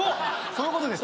そういうことです。